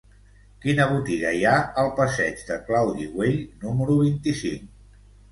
Quina botiga hi ha al passeig de Claudi Güell número vint-i-cinc?